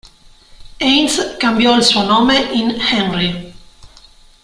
Heinz cambiò il suo nome in Henry.